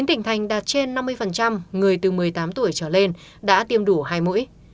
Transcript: chín tỉnh thành đạt trên năm mươi người từ một mươi tám tuổi trở lên đã tiêm đủ hai mũi